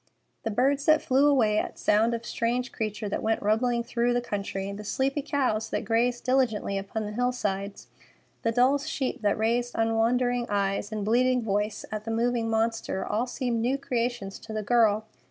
The birds that flew away at sound of the strange creature that went rumbling through the country, the sleepy cows that grazed diligently upon the hillsides, the dull sheep that raised unwondering eyes and bleating voice at the moving monster, all seemed new creations to the girl.